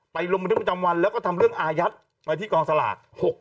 ไปรงกลมุตรมจำวันและก็ทำเรื่องอายัดไว้ที่กองสลาก